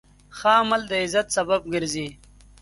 ښه عمل د عزت سبب ګرځي.